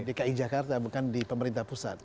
dki jakarta bukan di pemerintah pusat